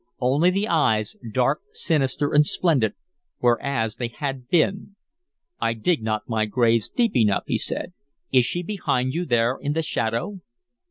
Only the eyes, dark, sinister, and splendid, were as they had been. "I dig not my graves deep enough," he said. "Is she behind you there in the shadow?"